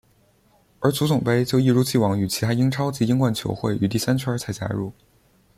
而足总杯就一如已往与其他英超及英冠球会于第三圈才加入。